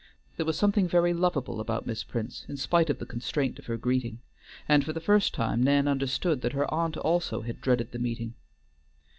There was something very lovable about Miss Prince, in spite of the constraint of her greeting, and for the first time Nan understood that her aunt also had dreaded the meeting.